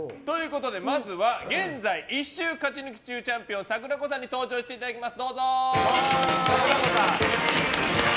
まずは現在１週勝ち抜き中チャンピオンさくらこさんに登場していただきます。